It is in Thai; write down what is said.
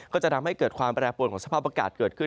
ก็จะทำให้เกิดความแปรปรวนประกาศเกิดขึ้น